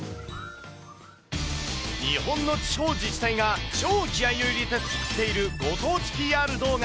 日本の地方自治体が超気合いを入れて作っているご当地ＰＲ動画。